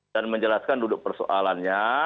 dan menjelaskan duduk persoalannya